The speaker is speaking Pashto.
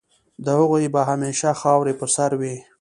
د هغوی به همېشه خاوري په سر وي